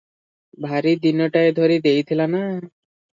ଭାରି ଦିନଟାଏ ଧରି ଦେଇଥିଲ ନା!